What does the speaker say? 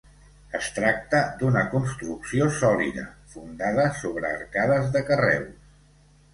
Es tracta d'una construcció sòlida, fundada sobre arcades de carreus.